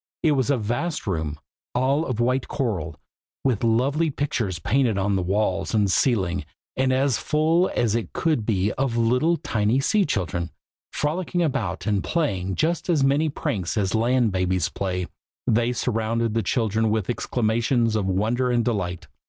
It was a vast room, all of white coral, with lovely pictures painted on the walls and ceiling, and as full as it could be of little tiny sea children, frolicking about, and playing just as many pranks as land babies play. They surrounded the children with exclamations of wonder and delight.